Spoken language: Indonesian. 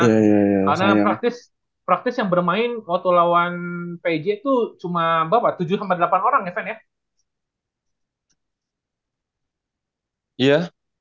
karena praktis yang bermain waktu lawan pj itu cuma tujuh delapan orang ya ven ya